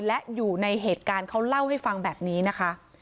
และอยู่ในเหตุการณ์เขาเล่าให้ฟังแบบนี้นะคะ